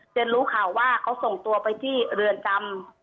รู้ข่าวว่าเขาส่งตัวไปที่เรือนจำ